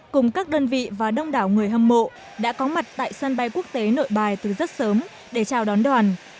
cùng các đơn vị và đông đảo người hâm mộ đã có mặt tại sân bay quốc tế nội bài từ rất sớm để chào đón đoàn